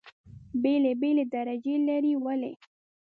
بېلې بېلې درجې لري. ولې؟